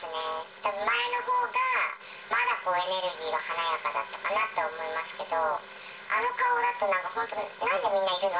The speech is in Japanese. たぶん前のほうが、まだこう、エネルギーが華やかだったかなと思いますけど、あの顔だと、本当に、なんでみんないるの？